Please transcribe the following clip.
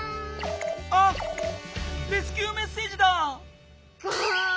あレスキューメッセージだ！ガーン！